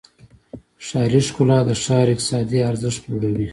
ښاري ښکلا د ښار اقتصادي ارزښت لوړوي.